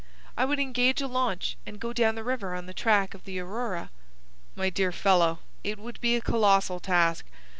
"I would engage a launch and go down the river on the track of the Aurora." "My dear fellow, it would be a colossal task.